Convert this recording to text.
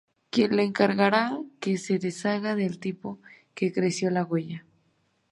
Quien le encargará que se deshaga del tipo que creó la huelga.